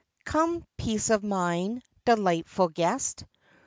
"Come, peace of mind, delightful guest!